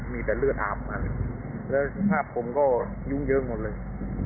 มีแต่เลือดอาบมันแล้วสภาพผมก็ยุ่งเยอะหมดเลย